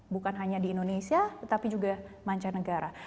bukan hanya di indonesia tetapi juga mancanegara